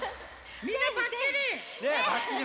みんなばっちり！